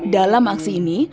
dalam aksi ini